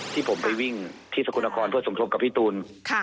ที่ผมไปวิ่งที่สกลนครเพื่อสมทบกับพี่ตูน